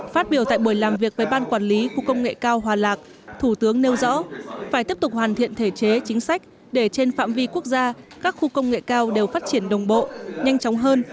phát biểu tại buổi làm việc với ban quản lý khu công nghệ cao hòa lạc thủ tướng nêu rõ phải tiếp tục hoàn thiện thể chế chính sách để trên phạm vi quốc gia các khu công nghệ cao đều phát triển đồng bộ nhanh chóng hơn